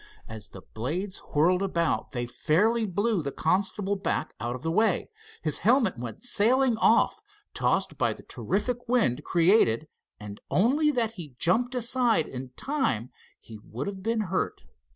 As the blades whirled about they fairly blew the constable back out of the way. His helmet went sailing off, tossed by the terrific wind created and, only that he jumped aside in time he would have been hurt.